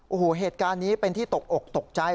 โอ้โหเหตุการณ์นี้เป็นที่ตกอกตกใจ